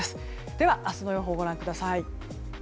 では明日の予報をご覧ください。